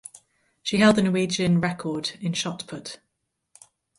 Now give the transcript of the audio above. She held the Norwegian record in shot put.